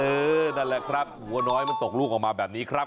นั่นแหละครับหัวน้อยมันตกลูกออกมาแบบนี้ครับ